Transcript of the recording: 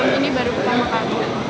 ini baru pertama kali